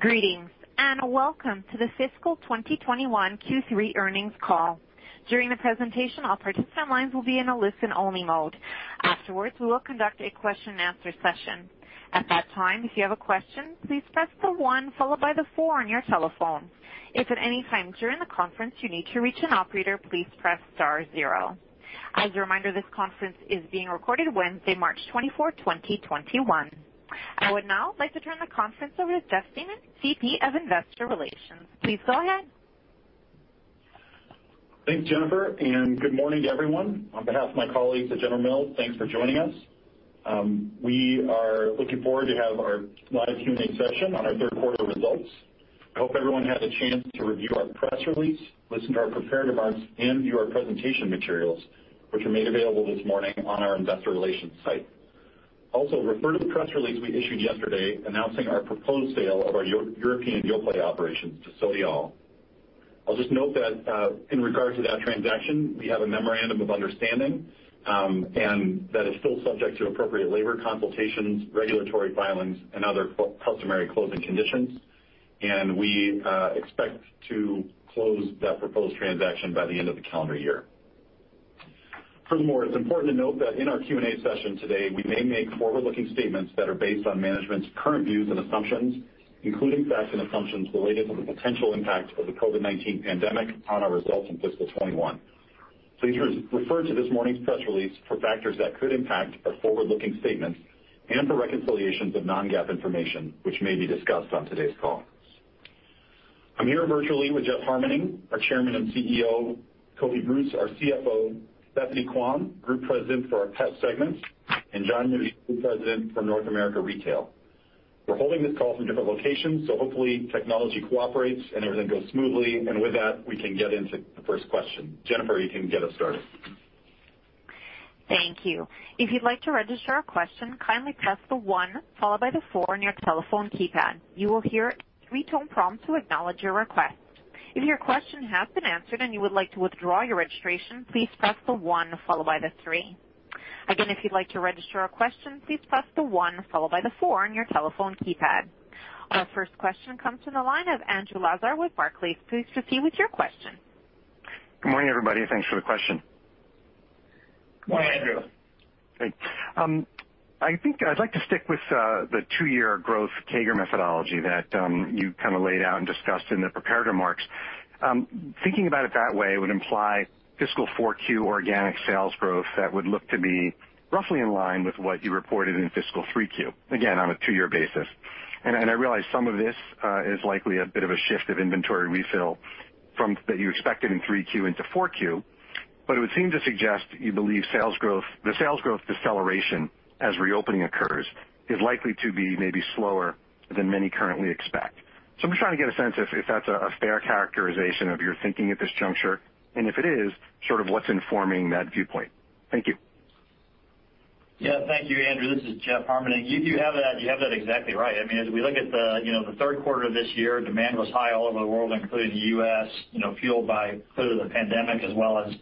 Greetings, welcome to the Fiscal 2021 Q3 Earnings Call. During the presentation, all participant lines will be in a listen-only mode. Afterwards, we will conduct a question-and-answer session. At that time, if you have a question, please press the one followed by the four on your telephone. If at any time during the conference you need to reach an operator, please press star zero. As a reminder, this conference is being recorded Wednesday, March 24, 2021. I would now like to turn the conference over to Jeff Siemon, VP of Investor Relations. Please go ahead. Thanks, Jennifer, and good morning to everyone. On behalf of my colleagues at General Mills, thanks for joining us. We are looking forward to have our live Q&A session on our third quarter results. I hope everyone had a chance to review our press release, listen to our prepared remarks, and view our presentation materials, which were made available this morning on our investor relations site. Also, refer to the press release we issued yesterday announcing our proposed sale of our European Yoplait operations to Sodiaal. I'll just note that in regard to that transaction, we have a memorandum of understanding, and that is still subject to appropriate labor consultations, regulatory filings, and other customary closing conditions. We expect to close that proposed transaction by the end of the calendar year. It's important to note that in our Q&A session today, we may make forward-looking statements that are based on management's current views and assumptions, including facts and assumptions related to the potential impact of the COVID-19 pandemic on our results in fiscal 2021. Please refer to this morning's press release for factors that could impact our forward-looking statements and for reconciliations of non-GAAP information, which may be discussed on today's call. I'm here virtually with Jeff Harmening, our Chairman and CEO, Kofi Bruce, our CFO, Bethany Quam, Group President for our Pet Segment, and Jon Nudi, Group President for North America Retail. We're holding this call from different locations, hopefully technology cooperates and everything goes smoothly. With that, we can get into the first question. Jennifer, you can get us started. Thank you. If you'd like to register a question, kindly press the one followed by the four on your telephone keypad. You will hear a three-tone prompt to acknowledge your request. If your question has been answered and you would like to withdraw your registration, please press the one followed by the three. Again, if you'd like to register a question, please press the one followed by the four on your telephone keypad. Our first question comes from the line of Andrew Lazar with Barclays. Please proceed with your question. Good morning, everybody, and thanks for the question. Good morning, Andrew. Great. I think I'd like to stick with the two-year growth CAGR methodology that you laid out and discussed in the prepared remarks. Thinking about it that way would imply fiscal 4Q organic sales growth that would look to be roughly in line with what you reported in fiscal 3Q, again, on a two-year basis. I realize some of this is likely a bit of a shift of inventory refill that you expected in 3Q into 4Q, it would seem to suggest you believe the sales growth deceleration as reopening occurs is likely to be maybe slower than many currently expect. I'm just trying to get a sense if that's a fair characterization of your thinking at this juncture, and if it is, what's informing that viewpoint? Thank you. Yeah, thank you, Andrew. This is Jeff Harmening. You have that exactly right. We look at the third quarter of this year, demand was high all over the world, including the U.S., fueled by clearly the pandemic as well as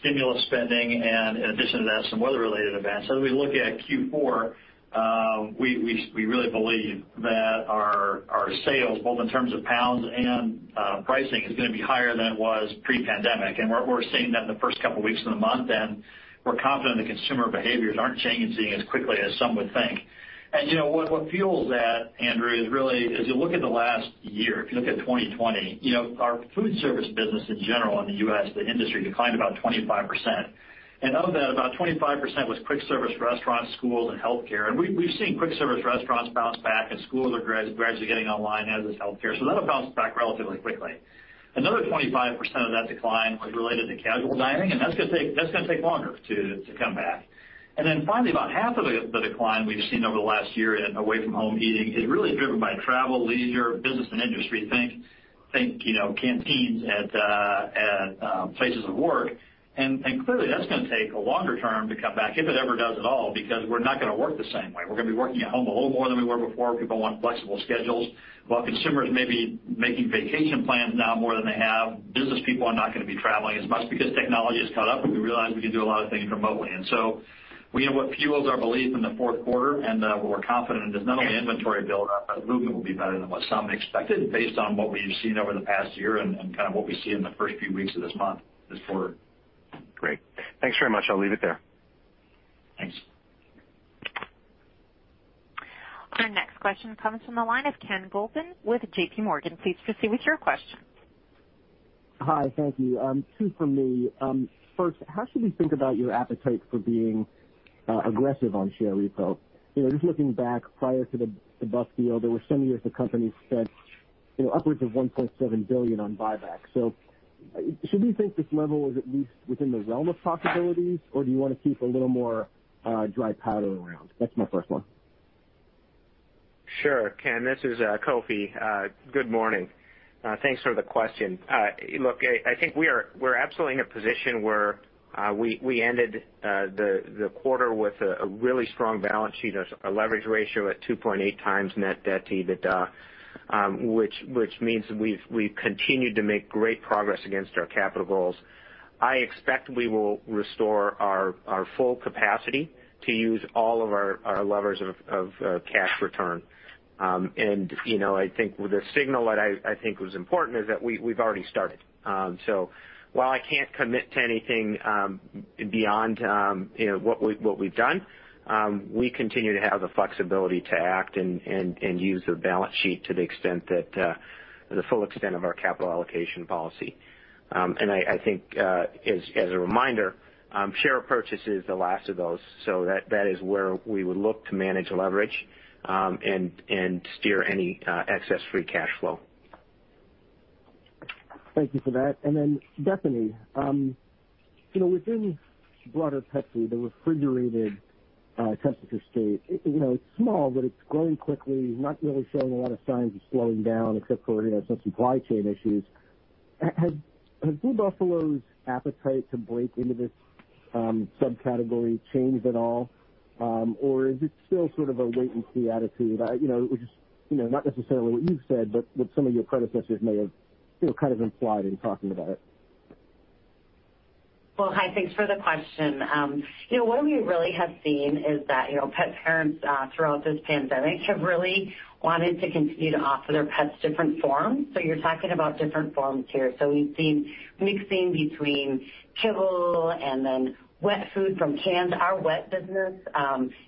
stimulus spending and in addition to that, some weather-related events. As we look at Q4, we really believe that our sales, both in terms of pounds and pricing, is going to be higher than it was pre-pandemic. We're seeing that in the first couple of weeks of the month, and we're confident the consumer behaviors aren't changing as quickly as some would think. What fuels that, Andrew, is really as you look at the last year, if you look at 2020, our food service business in general in the U.S., the industry declined about 25%. Of that, about 25% was quick service restaurants, schools, and healthcare. We've seen quick service restaurants bounce back, and schools are gradually getting online as is healthcare. That'll bounce back relatively quickly. Another 25% of that decline was related to casual dining, and that's going to take longer to come back. Finally, about half of the decline we've seen over the last year in away-from-home eating is really driven by travel, leisure, business, and industry. Think canteens at places of work. Clearly, that's going to take a longer term to come back, if it ever does at all, because we're not going to work the same way. We're going to be working at home a little more than we were before. People want flexible schedules. While consumers may be making vacation plans now more than they have, business people are not going to be traveling as much because technology has caught up and we realize we can do a lot of things remotely. What fuels our belief in the fourth quarter and what we're confident in is not only inventory build up, but movement will be better than what some expected based on what we've seen over the past year and what we see in the first few weeks of this month is forward. Great. Thanks very much. I'll leave it there. Thanks. Our next question comes from the line of Ken Goldman with JPMorgan. Please proceed with your question. Hi. Thank you. Two from me. First, how should we think about your appetite for being aggressive on share repo? Just looking back prior to the Buff deal, there were some years the company spent upwards of $1.7 billion on buybacks. Should we think this level is at least within the realm of possibilities, or do you want to keep a little more dry powder around? That's my first one. Sure, Ken, this is Kofi. Good morning. Thanks for the question. Look, I think we're absolutely in a position where we ended the quarter with a really strong balance sheet, a leverage ratio at 2.8x net debt to EBITDA, which means we've continued to make great progress against our capital goals. I expect we will restore our full capacity to use all of our levers of cash return. I think the signal that I think was important is that we've already started. While I can't commit to anything beyond what we've done, we continue to have the flexibility to act and use the balance sheet to the full extent of our capital allocation policy. I think, as a reminder, share purchases the last of those, that is where we would look to manage leverage and steer any excess free cash flow. Thank you for that. Bethany, within broader pet food, the refrigerated temperature state, it's small, but it's growing quickly, not really showing a lot of signs of slowing down except for some supply chain issues. Has Blue Buffalo's appetite to break into this subcategory changed at all? Is it still sort of a wait and see attitude? Which is not necessarily what you've said, but what some of your predecessors may have kind of implied in talking about it. Well, hi, thanks for the question. What we really have seen is that pet parents throughout this pandemic have really wanted to continue to offer their pets different forms. You're talking about different forms here. We've seen mixing between kibble and then wet food from canned. Our wet business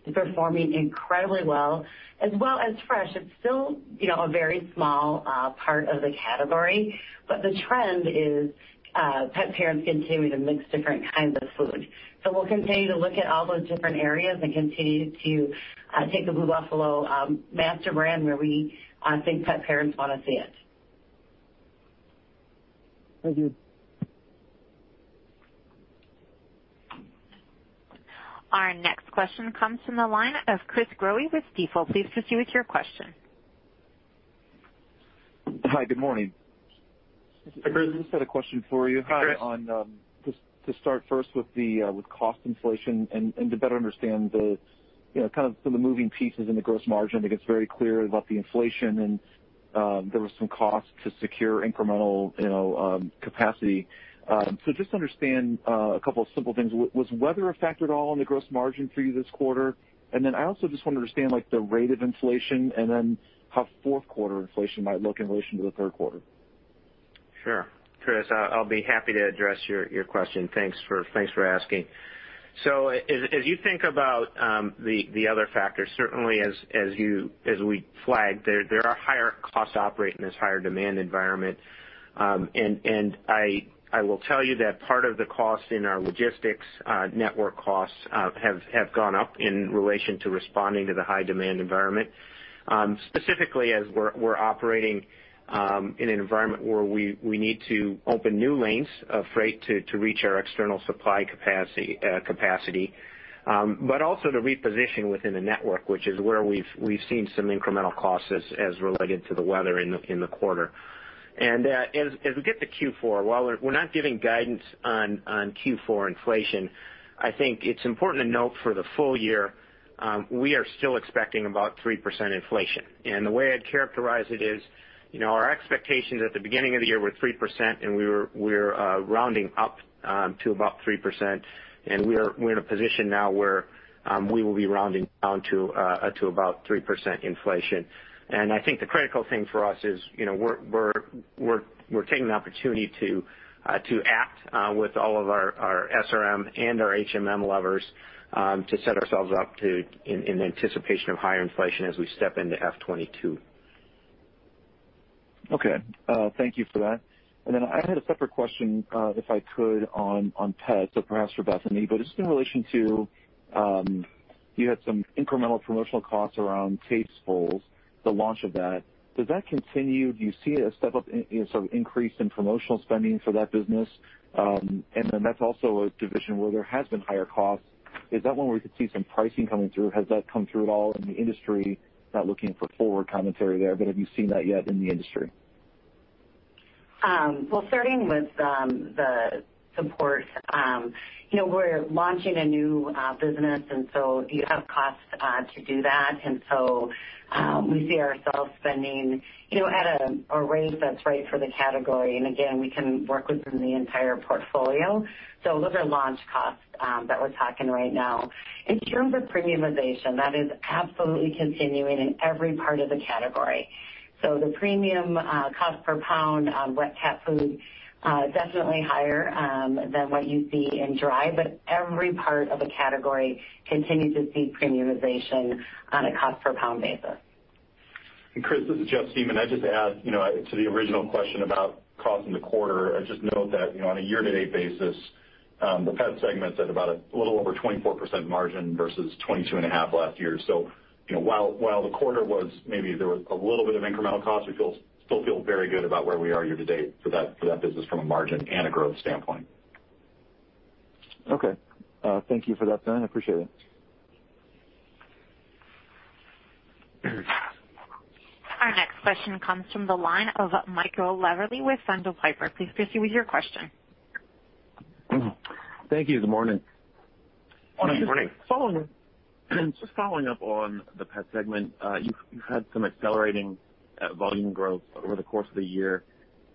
is performing incredibly well, as well as fresh. It's still a very small part of the category, but the trend is pet parents continuing to mix different kinds of food. We'll continue to look at all those different areas and continue to take the Blue Buffalo master brand where we think pet parents want to see it. Thank you. Our next question comes from the line of Chris Growe with Stifel. Please proceed with your question. Hi, good morning. Hi, Chris. I just had a question for you. Just to start first with cost inflation and to better understand the kind of some of the moving pieces in the gross margin. I think it's very clear about the inflation and there was some cost to secure incremental capacity. Just to understand a couple of simple things. Was weather a factor at all in the gross margin for you this quarter? Then I also just want to understand the rate of inflation and then how fourth quarter inflation might look in relation to the third quarter. Sure. Chris, I'll be happy to address your question. Thanks for asking. As you think about the other factors, certainly as we flagged, there are higher costs to operate in this higher demand environment. I will tell you that part of the cost in our logistics network costs have gone up in relation to responding to the high demand environment. Specifically as we're operating in an environment where we need to open new lanes of freight to reach our external supply capacity. Also to reposition within the network, which is where we've seen some incremental costs as related to the weather in the quarter. As we get to Q4, while we're not giving guidance on Q4 inflation, I think it's important to note for the full year, we are still expecting about 3% inflation. The way I'd characterize it is, our expectations at the beginning of the year were 3%, and we're rounding up to about 3%, and we're in a position now where we will be rounding down to about 3% inflation. I think the critical thing for us is, we're taking the opportunity to act with all of our SRM and our HMM levers to set ourselves up in anticipation of higher inflation as we step into F 2022. Okay. Thank you for that. I had a separate question, if I could, on pets, so perhaps for Bethany. It's in relation to, you had some incremental promotional costs around Tastefuls, the launch of that. Does that continue? Do you see a step-up in sort of increase in promotional spending for that business? That's also a division where there has been higher costs. Is that one where we could see some pricing coming through? Has that come through at all in the industry? Not looking for forward commentary there, but have you seen that yet in the industry? Well, starting with the support, we're launching a new business, so you have costs to do that. We see ourselves spending at a rate that's right for the category. Again, we can work within the entire portfolio. Those are launch costs that we're talking right now. In terms of premiumization, that is absolutely continuing in every part of the category. The premium cost per pound on wet cat food, definitely higher than what you'd see in dry, every part of the category continues to see premiumization on a cost per pound basis. Chris, this is Jeff Siemon. I’d just add to the original question about costs in the quarter. I’d just note that on a year-to-date basis, the Pet Segment’s at about a little over 24% margin versus 22.5% last year. While the quarter was maybe there was a little bit of incremental cost, we still feel very good about where we are year-to-date for that business from a margin and a growth standpoint. Okay. Thank you for that, Dan. I appreciate it. Our next question comes from the line of Michael Lavery with Piper Sandler. Please proceed with your question. Thank you. Good morning. Good morning. Just following up on the Pet Segment. You've had some accelerating volume growth over the course of the year.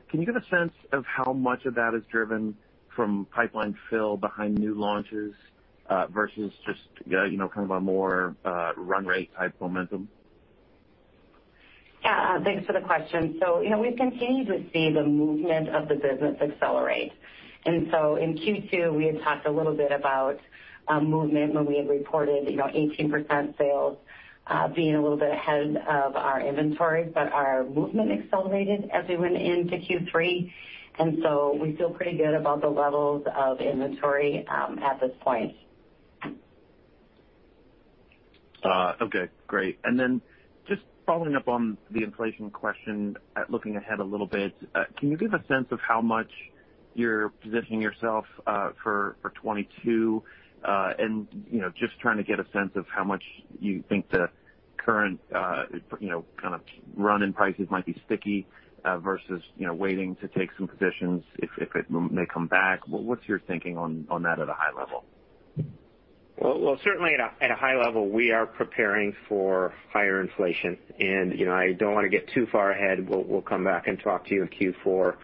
Can you give a sense of how much of that is driven from pipeline fill behind new launches, versus just kind of a more run rate type momentum? Yeah. Thanks for the question. We've continued to see the movement of the business accelerate. In Q2, we had talked a little bit about movement when we had reported 18% sales, being a little bit ahead of our inventory, but our movement accelerated as we went into Q3. We feel pretty good about the levels of inventory at this point. Okay. Great. Then just following up on the inflation question, looking ahead a little bit, can you give a sense of how much you're positioning yourself for 2022? Just trying to get a sense of how much you think the current kind of run in prices might be sticky, versus waiting to take some positions if it may come back. What's your thinking on that at a high level? Well, certainly at a high level, we are preparing for higher inflation. I don't want to get too far ahead. We'll come back and talk to you in Q4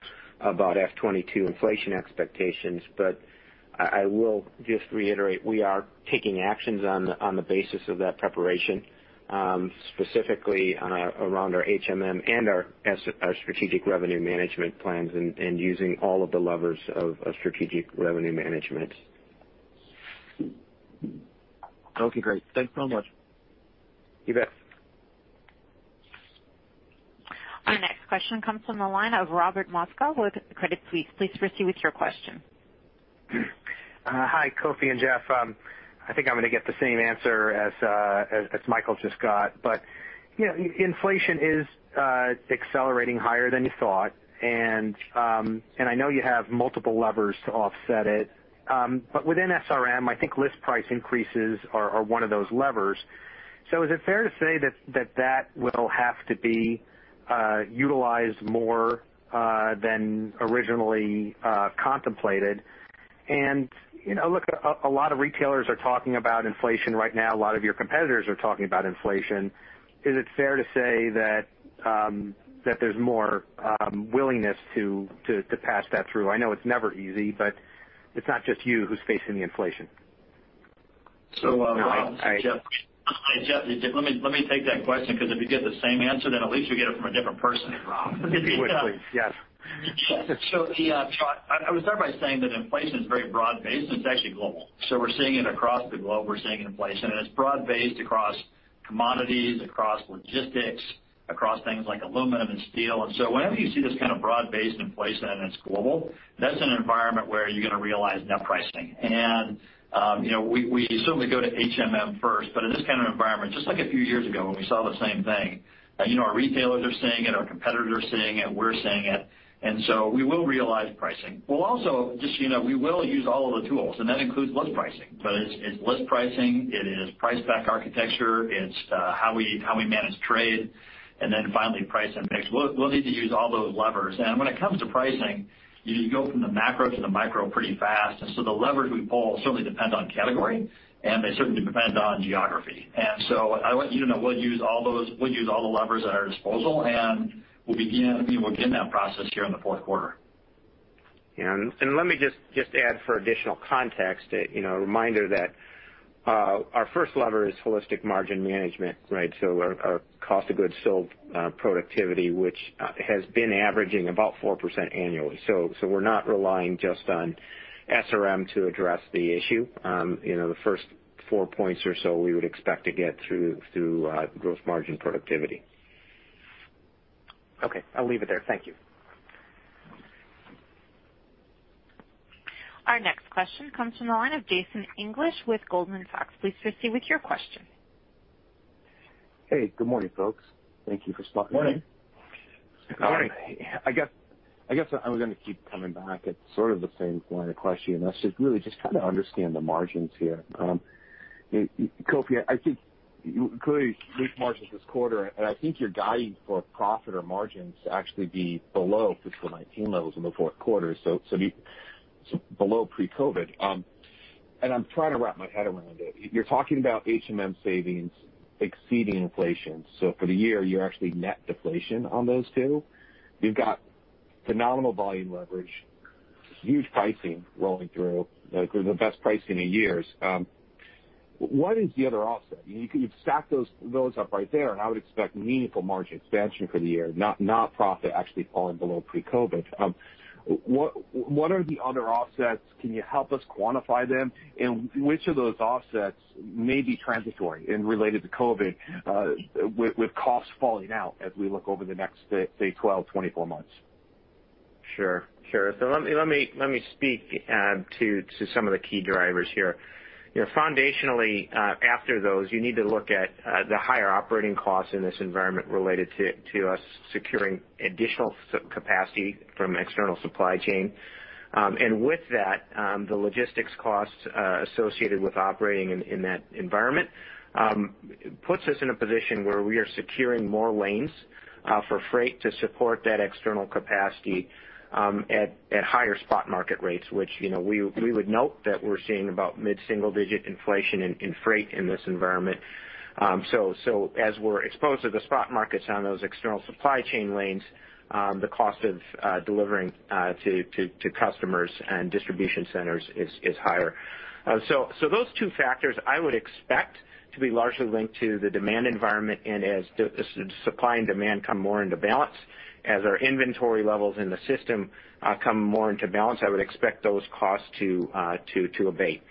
about F 2022 inflation expectations. I will just reiterate, we are taking actions on the basis of that preparation, specifically around our HMM and our strategic revenue management plans and using all of the levers of strategic revenue management. Okay, great. Thanks so much. You bet. Our next question comes from the line of Robert Moskow with Credit Suisse. Please proceed with your question. Hi, Kofi and Jeff. I think I'm gonna get the same answer as Michael just got. Inflation is accelerating higher than you thought, and I know you have multiple levers to offset it. Within SRM, I think list price increases are one of those levers. Is it fair to say that that will have to be utilized more than originally contemplated? Look, a lot of retailers are talking about inflation right now. A lot of your competitors are talking about inflation. Is it fair to say that there's more willingness to pass that through? I know it's never easy, but it's not just you who's facing the inflation. Jeff, let me take that question, because if you get the same answer, then at least you get it from a different person, Rob. Yes. I would start by saying that inflation is very broad-based, and it's actually global. We're seeing it across the globe. We're seeing inflation, and it's broad-based across commodities, across logistics, across things like aluminum and steel. Whenever you see this kind of broad-based inflation and it's global, that's an environment where you're gonna realize net pricing. We certainly go to HMM first, but in this kind of environment, just like a few years ago when we saw the same thing, our retailers are seeing it, our competitors are seeing it, we're seeing it, and so we will realize pricing. We'll also use all of the tools, and that includes list pricing. It's list pricing, it is price pack architecture, it's how we manage trade, and then finally, price index. We'll need to use all those levers. When it comes to pricing, you go from the macro to the micro pretty fast. The levers we pull certainly depend on category, and they certainly depend on geography. I want you to know, we'll use all the levers at our disposal, and we'll begin that process here in the fourth quarter. Let me just add for additional context a reminder that our first lever is holistic margin management, right. Our cost of goods sold, productivity, which has been averaging about 4% annually. We're not relying just on SRM to address the issue. The first four points or so we would expect to get through growth margin productivity. Okay, I'll leave it there. Thank you. Our next question comes from the line of Jason English with Goldman Sachs. Please proceed with your question. Hey, good morning, folks. Thank you for stopping by. Morning. Morning. I guess I was going to keep coming back at sort of the same line of questioning, and that's just really just kind of understand the margins here. Kofi, I think you included weak margins this quarter, and I think you're guiding for profit or margins to actually be below fiscal 2019 levels in the fourth quarter, so below pre-COVID. I'm trying to wrap my head around it. You're talking about HMM savings exceeding inflation. For the year, you're actually net deflation on those two. You've got phenomenal volume leverage, huge pricing rolling through, the best pricing in years. What is the other offset? You've stacked those up right there, and I would expect meaningful margin expansion for the year, not profit actually falling below pre-COVID. What are the other offsets? Can you help us quantify them? Which of those offsets may be transitory and related to COVID, with costs falling out as we look over the next, say, 12-24 months? Sure. Let me speak to some of the key drivers here. Foundationally, after those, you need to look at the higher operating costs in this environment related to us securing additional capacity from external supply chain. With that, the logistics costs associated with operating in that environment puts us in a position where we are securing more lanes for freight to support that external capacity at higher spot market rates, which we would note that we're seeing about mid-single-digit inflation in freight in this environment. As we're exposed to the spot markets on those external supply chain lanes, the cost of delivering to customers and distribution centers is higher. Those two factors, I would expect to be largely linked to the demand environment and as supply and demand come more into balance, as our inventory levels in the system come more into balance, I would expect those costs to abate.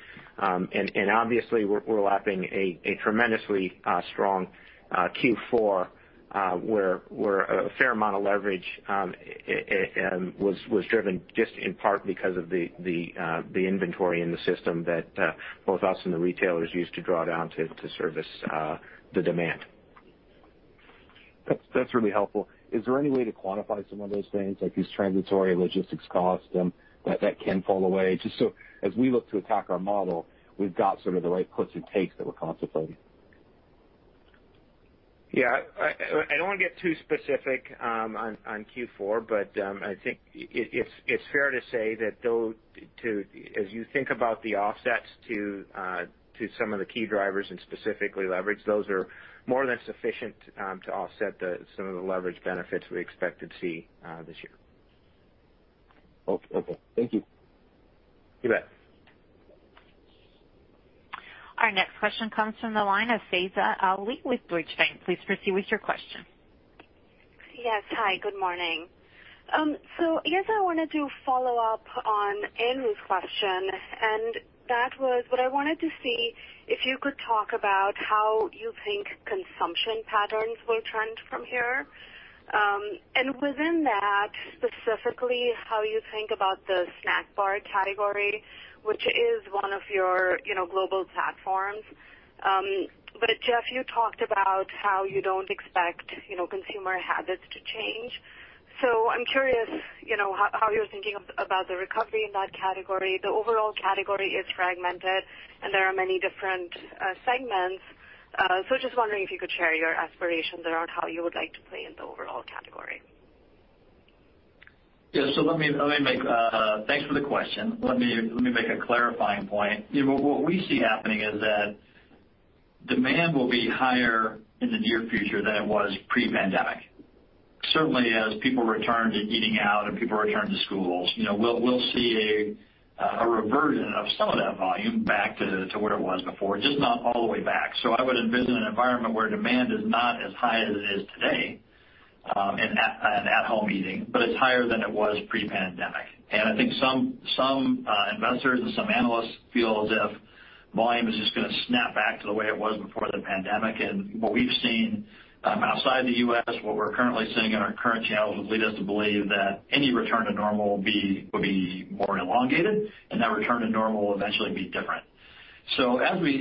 Obviously we're lapping a tremendously strong Q4, where a fair amount of leverage was driven just in part because of the inventory in the system that both us and the retailers used to draw down to service the demand. That's really helpful. Is there any way to quantify some of those things, like these transitory logistics costs that can fall away? Just so as we look to attack our model, we've got sort of the right puts and takes that we're contemplating. Yeah. I don't want to get too specific on Q4, but I think it's fair to say that as you think about the offsets to some of the key drivers and specifically leverage, those are more than sufficient to offset some of the leverage benefits we expect to see this year. Okay. Thank you. You bet. Our next question comes from the line of Faiza Alwy with Deutsche Bank. Please proceed with your question. Yes. Hi, good morning. I guess I wanted to follow up on Andrew's question, and that was what I wanted to see if you could talk about how you think consumption patterns will trend from here. Within that, specifically how you think about the snack bar category, which is one of your global platforms. Jeff, you talked about how you don't expect consumer habits to change. I'm curious how you're thinking about the recovery in that category. The overall category is fragmented and there are many different segments. Just wondering if you could share your aspirations around how you would like to play in the overall category. Yeah. Thanks for the question. Let me make a clarifying point. What we see happening is that demand will be higher in the near future than it was pre-pandemic. Certainly as people return to eating out and people return to schools, we'll see a reversion of some of that volume back to where it was before, just not all the way back. I would envision an environment where demand is not as high as it is today in at-home eating, but it's higher than it was pre-pandemic. I think some investors and some analysts feel as if volume is just going to snap back to the way it was before the pandemic. What we've seen outside the U.S., what we're currently seeing in our current channels would lead us to believe that any return to normal would be more elongated, and that return to normal will eventually be different. As we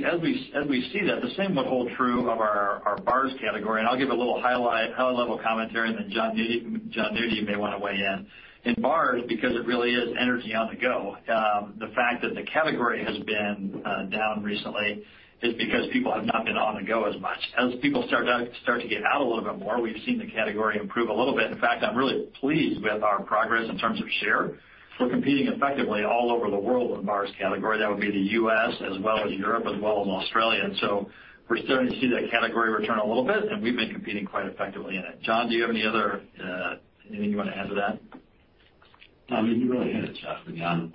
see that, the same would hold true of our bars category, and I'll give a little high-level commentary and then Jon Nudi may want to weigh in. In bars, because it really is energy on the go, the fact that the category has been down recently is because people have not been on the go as much. As people start to get out a little bit more, we've seen the category improve a little bit. In fact, I'm really pleased with our progress in terms of share. We're competing effectively all over the world in the bars category. That would be the U.S. as well as Europe as well as Australia, and so we're starting to see that category return a little bit, and we've been competing quite effectively in it. Jon, do you have anything you want to add to that? You really hit it, Jeff.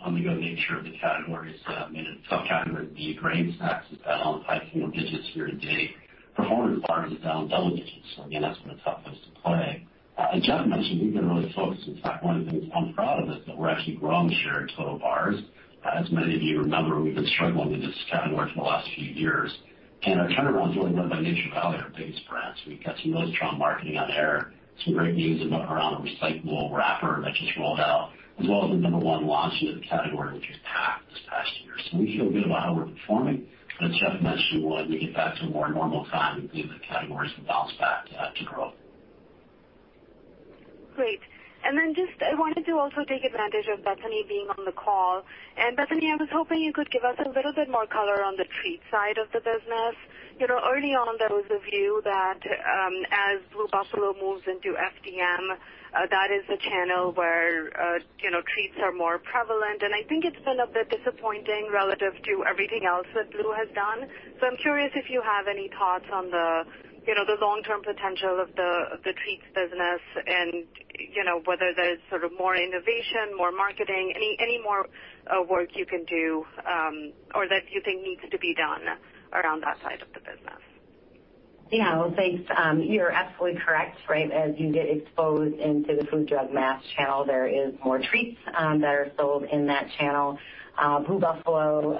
On the go nature of the category is, it's a tough category. The grain snacks has been on high single digits year to date. Performance bars is down double digits. Again, that's been a tough place to play. As Jeff mentioned, we've been really focused. In fact, one of the things I'm proud of is that we're actually growing share in total bars. As many of you remember, we've been struggling with this category for the last few years, and our turnaround's really led by Nature Valley, our biggest brands. We've got some really strong marketing on air, some great news around a recyclable wrapper that just rolled out, as well as the number one launch in the category, which is Packed this past year. We feel good about how we're performing. As Jeff mentioned, when we get back to a more normal time, we believe the category is going to bounce back to growth. Great. I wanted to also take advantage of Bethany being on the call. Bethany, I was hoping you could give us a little bit more color on the treats side of the business. Early on, there was a view that as Blue Buffalo moves into FDM, that is a channel where treats are more prevalent, and I think it's been a bit disappointing relative to everything else that Blue has done. I'm curious if you have any thoughts on the long-term potential of the treats business and whether there's sort of more innovation, more marketing, any more work you can do or that you think needs to be done around that side of the business. Yeah. Well, thanks. You're absolutely correct, right? As you get exposed into the food, drug, mass channel, there is more treats that are sold in that channel. Blue Buffalo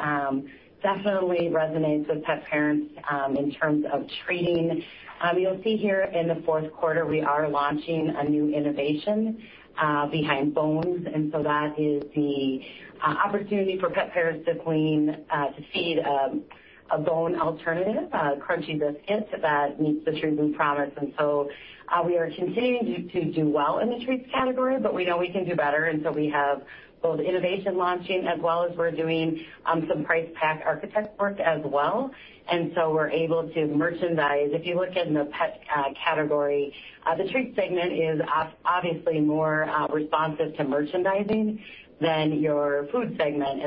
definitely resonates with pet parents in terms of treating. You'll see here in the fourth quarter, we are launching a new innovation behind Bones. That is the opportunity for pet parents to feed a bone alternative, a crunchy biscuit that meets the True Blue Promise we promise. We are continuing to do well in the treats category, we know we can do better. We have both innovation launching as well as we're doing some price pack architect work as well. We're able to merchandise. If you look in the pet category, the treats segment is obviously more responsive to merchandising than your food segment.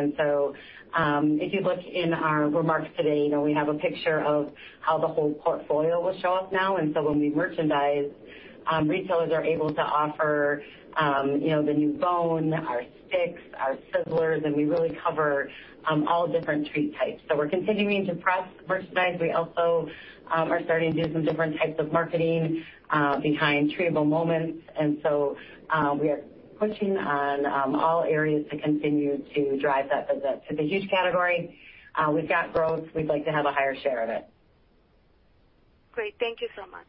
If you look in our remarks today, we have a picture of how the whole portfolio will show up now, and so when we merchandise, retailers are able to offer the new Bones, our sticks, our Sizzlers, and we really cover all different treat types. We're continuing to merchandise. We also are starting to do some different types of marketing behind treatable moments. We are pushing on all areas to continue to drive that visit. It's a huge category. We've got growth. We'd like to have a higher share of it. Great. Thank you so much.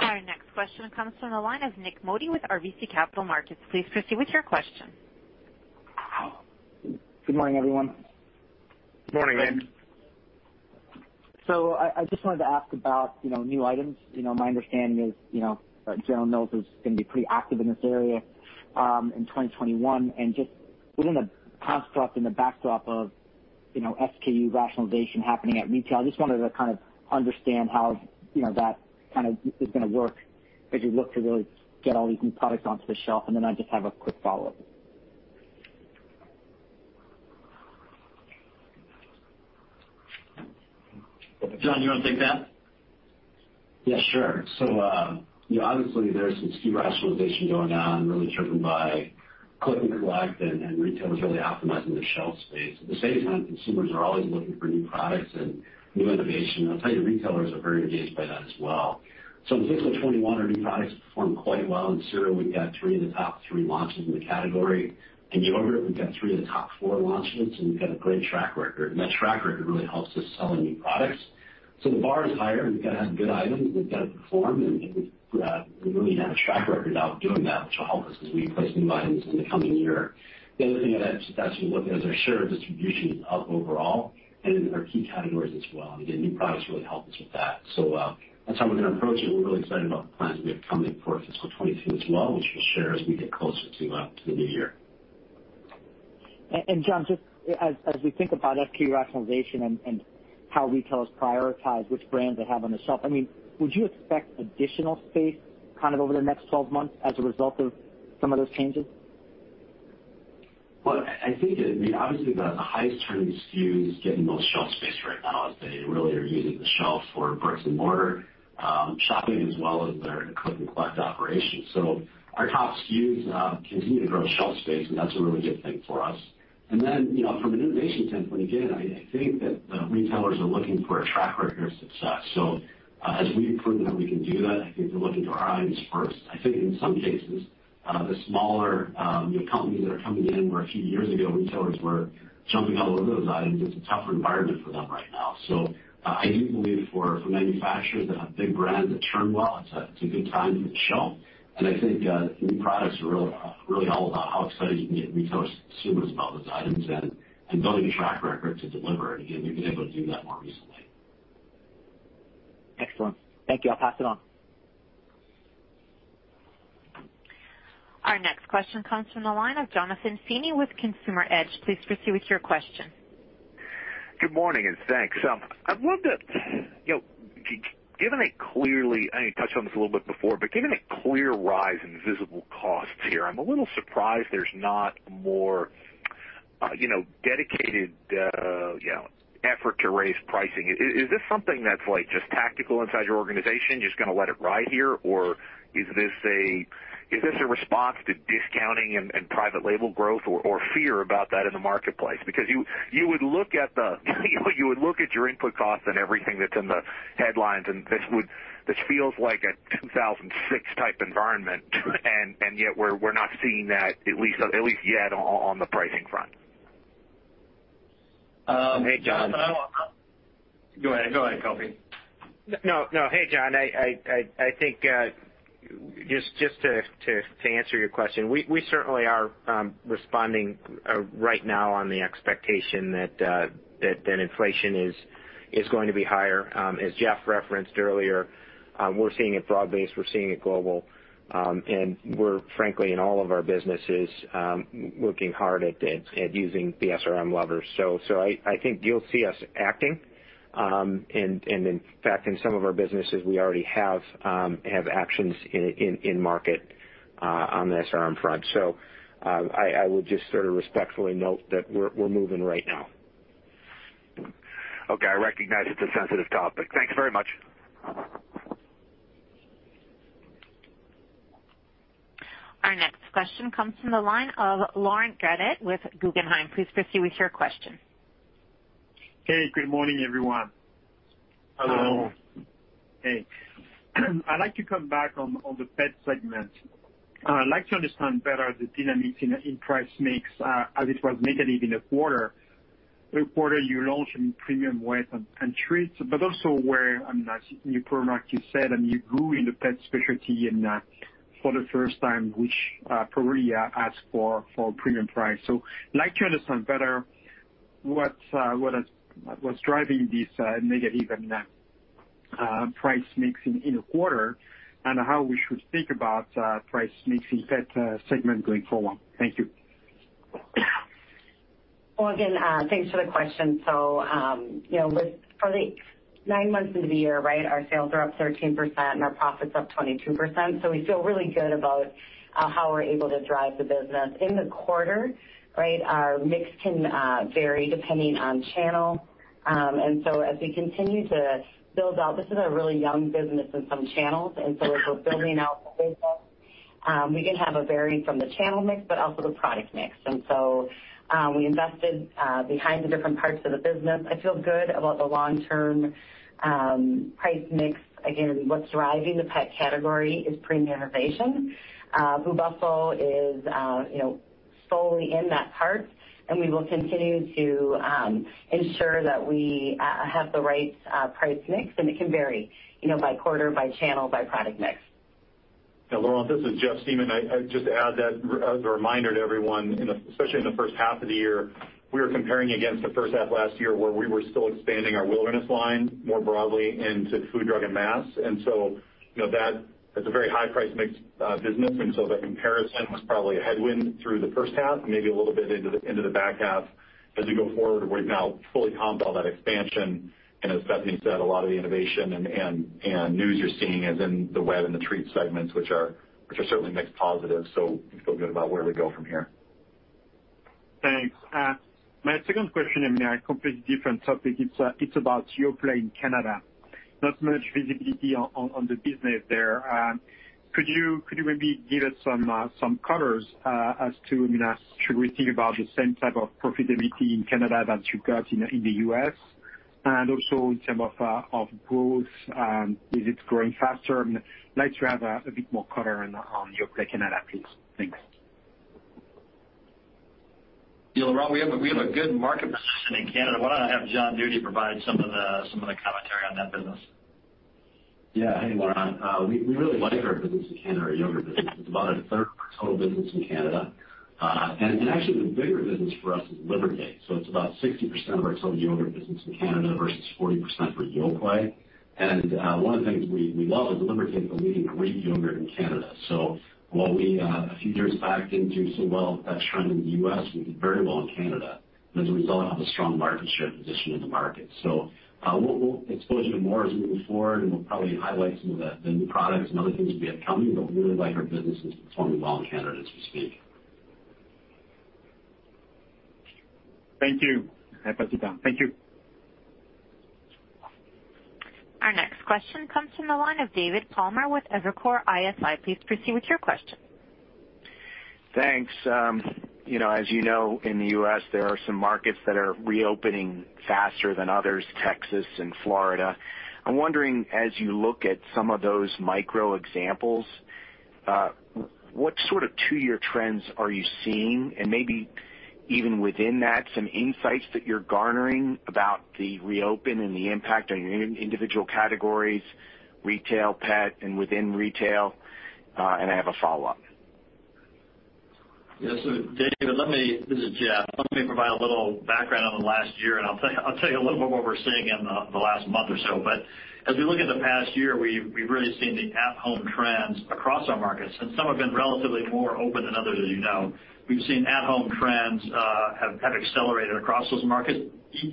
Our next question comes from the line of Nik Modi with RBC Capital Markets. Please proceed with your question. Good morning, everyone. Morning, Nik. I just wanted to ask about new items. My understanding is General Mills is going to be pretty active in this area, in 2021. Just within the construct and the backdrop of SKU rationalization happening at retail, I just wanted to kind of understand how that is going to work as you look to really get all these new products onto the shelf. Then I just have a quick follow-up. Jon, do you want to take that? Yeah, sure. Obviously there's some SKU rationalization going on, really driven by click and collect, and retailers really optimizing their shelf space. At the same time, consumers are always looking for new products and new innovation. I'll tell you, retailers are very engaged by that as well. In fiscal 2021, our new products performed quite well. In cereal, we've got three of the top three launches in the category. In yogurt, we've got three of the top four launches, and we've got a great track record. That track record really helps us sell the new products. The bar is higher. We've got to have good items that's got to perform, and I think we really have a track record now of doing that, which will help us as we place new items in the coming year. The other thing that's successful look is our share of distribution up overall and in our key categories as well. Again, new products really help us with that. That's how we're going to approach it. We're really excited about the plans we have coming for fiscal 2022 as well, which we'll share as we get closer to the new year. Jon, just as we think about SKU rationalization and how retailers prioritize which brands they have on the shelf, would you expect additional space over the next 12 months as a result of some of those changes? I think that, obviously the highest turning SKUs getting the most shelf space right now as they really are using the shelf for bricks and mortar shopping as well as their click and collect operations. Our top SKUs continue to grow shelf space, and that's a really good thing for us. Then, from an innovation standpoint, again, I think that the retailers are looking for a track record of success. As we've proven that we can do that, I think they're looking to our items first. I think in some cases, the smaller companies that are coming in, where a few years ago, retailers were jumping all over those items, it's a tougher environment for them right now. I do believe for manufacturers that have big brands that turn well, it's a good time to get shelf. I think new products are really all about how excited you can get retailers, consumers about those items and building a track record to deliver. Again, we've been able to do that more recently. Excellent. Thank you. I'll pass it on. Our next question comes from the line of Jonathan Feeney with Consumer Edge. Please proceed with your question. Good morning, and thanks. I know you touched on this a little bit before, but given a clear rise in visible costs here, I'm a little surprised there's not more dedicated effort to raise pricing. Is this something that's just tactical inside your organization, just going to let it ride here? Or is this a response to discounting and private label growth or fear about that in the marketplace? You would look at your input costs and everything that's in the headlines, and this feels like a 2006 type environment. Yet we're not seeing that, at least yet, on the pricing front. Hey, Jon. Go ahead, Kofi. No. Hey, Jon. I think, just to answer your question, we certainly are responding right now on the expectation that inflation is going to be higher. As Jeff referenced earlier, we're seeing it broad-based, we're seeing it global, and we're frankly, in all of our businesses, working hard at using the SRM levers. I think you'll see us acting. In fact, in some of our businesses, we already have actions in market on the SRM front. I would just respectfully note that we're moving right now. Okay. I recognize it's a sensitive topic. Thank you very much. Our next question comes from the line of Laurent Grandet with Guggenheim. Please proceed with your question. Hey, good morning, everyone. Hello. Hey. I'd like to come back on the Pet Segment. I'd like to understand better the dynamics in price mix, as it was negative in the quarter. Third quarter, you launched in premium wet and treats, but also where, as you proactively said, you grew in the pet specialty for the first time, which probably asked for premium price. I'd like to understand better what's driving this negative price mixing in a quarter, and how we should think about price mixing Pet Segment going forward. Thank you. Well, again, thanks for the question. For the nine months into the year, our sales are up 13% and our profit's up 22%. We feel really good about how we're able to drive the business. In the quarter, our mix can vary depending on channel. As we continue to build out, this is a really young business in some channels, and so as we're building out the business, we can have a varying from the channel mix, but also the product mix. We invested behind the different parts of the business. I feel good about the long-term price mix. Again, what's driving the pet category is premium innovation. Blue Buffalo is solely in that part, and we will continue to ensure that we have the right price mix. It can vary by quarter, by channel, by product mix. Yeah, Laurent, this is Jeff Siemon. I'd just add that as a reminder to everyone, especially in the first half of the year, we were comparing against the first half last year where we were still expanding our Wilderness line more broadly into food, drug, and mass. That's a very high price mixed business. That comparison was probably a headwind through the first half and maybe a little bit into the back half. As we go forward, we've now fully comped all that expansion. As Bethany said, a lot of the innovation and news you're seeing is in the wet and the treat segments, which are certainly mixed positive. We feel good about where we go from here. Thanks. My second question, a completely different topic. It's about Yoplait in Canada. Not much visibility on the business there. Could you maybe give us some colors as to, should we think about the same type of profitability in Canada that you got in the U.S.? Also in term of growth, is it growing faster? I'd like to have a bit more color on Yoplait Canada, please. Thanks. Yeah, Laurent, we have a good market position in Canada. Why don't I have Jon Nudi provide some of the commentary on that business? Yeah. Hey, Laurent. We really like our business in Canada, our yogurt business. It's about a third of our total business in Canada. Actually, the bigger business for us is Liberté. It's about 60% of our total yogurt business in Canada versus 40% for Yoplait. One of the things we love is Liberté is the leading Greek yogurt in Canada. While we, a few years back, didn't do so well with that trend in the U.S., we did very well in Canada. As a result, have a strong market share position in the market. We'll expose you to more as we move forward, and we'll probably highlight some of the new products and other things we have coming, but we really like our business. It's performing well in Canada as we speak. Thank you. I pass it down. Thank you. Our next question comes from the line of David Palmer with Evercore ISI. Please proceed with your question. Thanks. As you know, in the U.S., there are some markets that are reopening faster than others, Texas and Florida. I'm wondering, as you look at some of those micro examples, what sort of two-year trends are you seeing? Maybe even within that, some insights that you're garnering about the reopen and the impact on your individual categories, retail, pet, and within retail. I have a follow-up. Yeah. David, this is Jeff. Let me provide a little background on the last year, and I'll tell you a little bit what we're seeing in the last month or so. As we look at the past year, we've really seen the at-home trends across our markets, and some have been relatively more open than others, as you know. We've seen at-home trends have accelerated across those markets,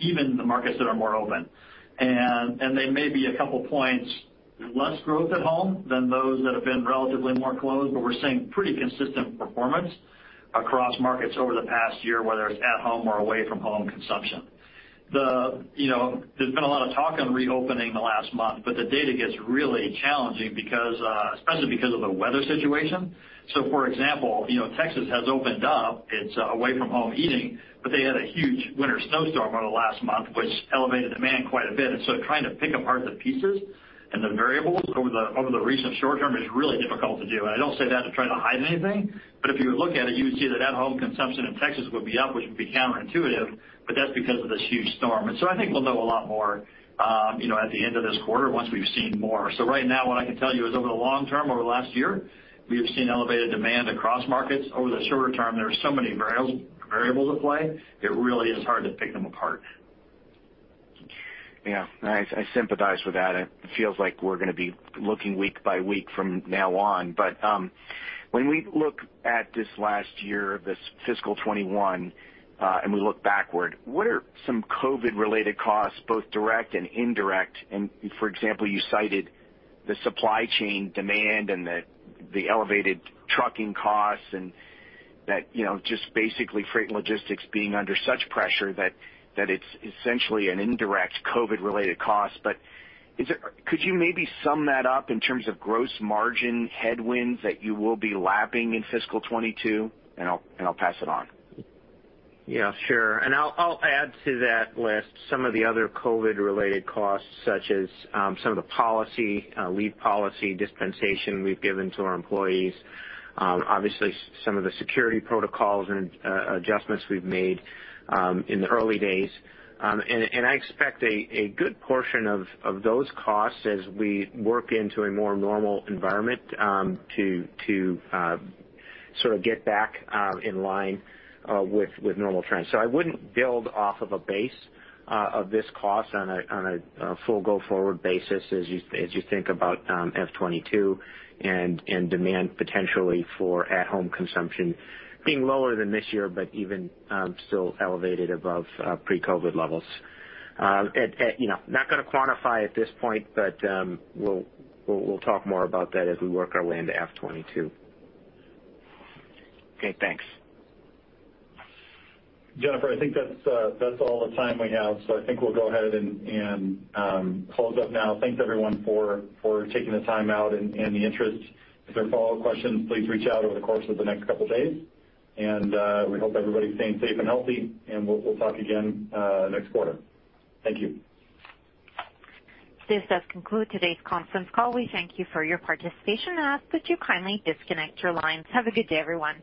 even the markets that are more open. There may be a couple points less growth at home than those that have been relatively more closed, but we're seeing pretty consistent performance across markets over the past year, whether it's at home or away from home consumption. There's been a lot of talk on reopening the last month, but the data gets really challenging, especially because of the weather situation. For example, Texas has opened up, it's away-from-home eating, but they had a huge winter snowstorm over the last month, which elevated demand quite a bit. Trying to pick apart the pieces and the variables over the recent short term is really difficult to do. I don't say that to try to hide anything, but if you would look at it, you would see that at-home consumption in Texas would be up, which would be counterintuitive, but that's because of this huge storm. I think we'll know a lot more at the end of this quarter once we've seen more. Right now, what I can tell you is over the long term, over the last year, we have seen elevated demand across markets. Over the shorter term, there are so many variables at play, it really is hard to pick them apart. Yeah. I sympathize with that. It feels like we're gonna be looking week by week from now on. When we look at this last year of this fiscal 2021, and we look backward, what are some COVID-19 related costs, both direct and indirect? For example, you cited the supply chain demand and the elevated trucking costs and just basically freight and logistics being under such pressure that it's essentially an indirect COVID-19 related cost. Could you maybe sum that up in terms of gross margin headwinds that you will be lapping in fiscal 2022? I'll pass it on. Yeah, sure. I'll add to that list some of the other COVID related costs, such as some of the leave policy dispensation we've given to our employees. Obviously, some of the security protocols and adjustments we've made in the early days. I expect a good portion of those costs as we work into a more normal environment to sort of get back in line with normal trends. I wouldn't build off of a base of this cost on a full go forward basis as you think about F 2022 and demand potentially for at-home consumption being lower than this year, but even still elevated above pre-COVID levels. Not gonna quantify at this point, but we'll talk more about that as we work our way into F 2022. Okay, thanks. Jennifer, I think that's all the time we have, so I think we'll go ahead and close up now. Thanks everyone for taking the time out and the interest. If there are follow-up questions, please reach out over the course of the next couple days. We hope everybody's staying safe and healthy, and we'll talk again next quarter. Thank you. This does conclude today's conference call. We thank you for your participation and ask that you kindly disconnect your lines. Have a good day, everyone.